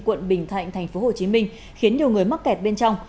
quận bình thạnh tp hcm khiến nhiều người mắc kẹt bên trong